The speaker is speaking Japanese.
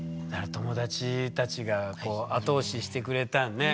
友達たちがこう後押ししてくれたんだね。